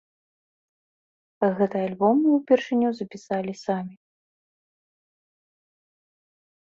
Гэты альбом мы ўпершыню запісалі самі.